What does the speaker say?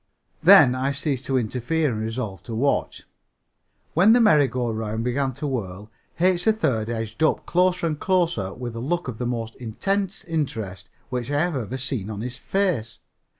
Then, I ceased to interfere and resolved to watch. When the merry go round began to whirl H. 3rd edged up closer and closer with a look of the most intense interest which I have ever seen on his face.